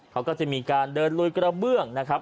เขาก็จะมีการเดินลุยกระเบื้องนะครับ